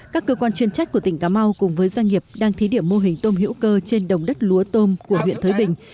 các cơ quan chuyên trách của tỉnh cà mau cùng với doanh nghiệp đang thí điểm mô hình tôm hữu cơ trên đồng đất lúa tôm của huyện thới bình